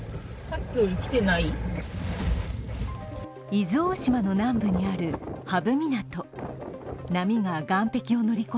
伊豆大島の南部にある波浮港。